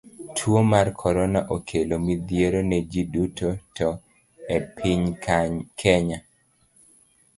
Tuo mar korona okelo midhiero ne ji duto te e piny Kenya.